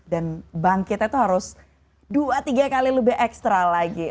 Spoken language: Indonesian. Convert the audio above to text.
dan bangkit itu harus dua tiga kali lebih ekstra lagi